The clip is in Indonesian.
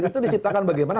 itu diciptakan bagaimana